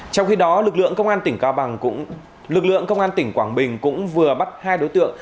trong khi đó lực lượng công an tỉnh quảng bình cũng vừa bắt hai đối tượng